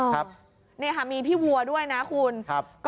นี่ค่ะมีพี่วัวด้วยนะคุณครับ